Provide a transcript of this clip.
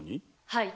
はい。